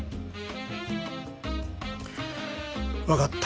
分かった。